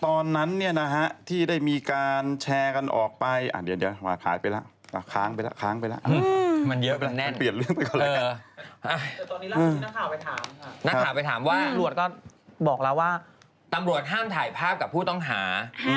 สำรวมได้ไหมสำรวมดีไหมเออสำรวมดีไหมเออสำรวมไม่ควรนะ